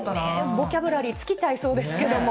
ボキャブラリー尽きちゃいそうですけれども。